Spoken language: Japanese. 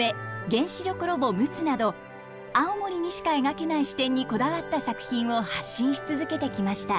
原子力ロボむつ」など青森にしか描けない視点にこだわった作品を発信し続けてきました。